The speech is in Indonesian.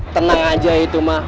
tenang aja itu ma